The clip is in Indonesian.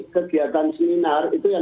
kegiatan seminar itu yang